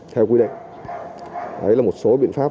theo quy định đấy là một số biện pháp